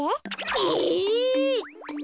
え！